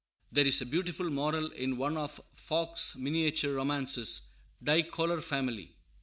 There is a beautiful moral in one of Fouque's miniature romances, Die Kohlerfamilie.